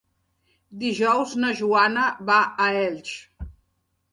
Dijous na Joana va a Elx.